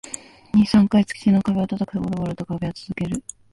二、三回土の壁を叩くと、ボロボロと壁は崩れる